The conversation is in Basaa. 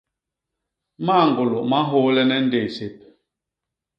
Mañgôlô ma nhôôlene ndéé sép.